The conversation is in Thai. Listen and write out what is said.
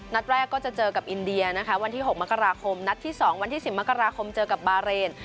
นัดแรกก็จะเจอกับอินเดียนะคะวันที่๖มกราคมนัดที่๒วันที่๑๐มกราคมเจอกับบาเรน